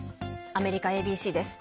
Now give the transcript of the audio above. アメリカＡＢＣです。